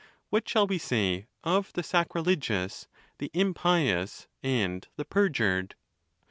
What shall we say of the sacrilegious, the impious, and the per jured